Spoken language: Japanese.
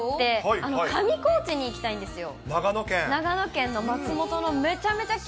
上高地に行きたいんですよ。